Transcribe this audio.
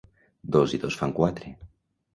Dos i dos fan quatre